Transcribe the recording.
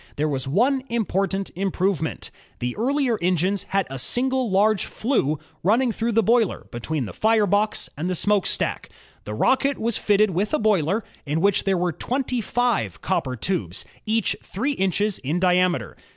There was one important im provement. The earlier engines had a single large flue running through the boiler between the fire box and the smokestack. The Rocket was fitted with a boiler, in which there were twenty five copper tubes, each three inches in diameter.